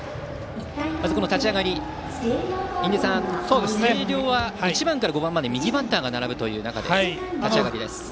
まず立ち上がり、印出さん星稜は１番から５番まで右バッターが並ぶ立ち上がりです。